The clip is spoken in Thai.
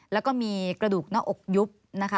แล้วก็มีกระดูกหน้าอกยุบนะคะ